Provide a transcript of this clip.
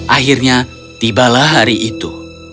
akhirnya tibalah hari itu